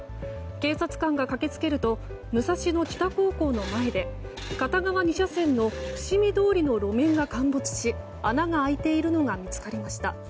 警察官が駆け付けると武蔵野北高校の前で片側２車線の伏見通りの路面が陥没し、穴が開いているのが見つかりました。